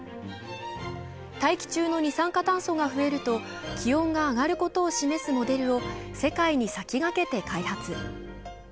大気中の二酸化炭素が増えると気温が上がることを示すモデルを世界に先駆けて開発。